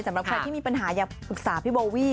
สำหรับใครที่มีปัญหาอยากปรึกษาพี่โบวี่